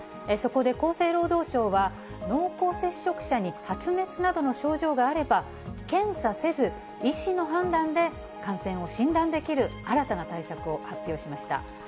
そこで厚生労働省は、濃厚接触者に発熱などの症状があれば、検査せず、医師の判断で感染を診断できる新たな対策を発表しました。